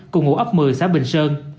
cùng ủ ấp một mươi xã bình sơn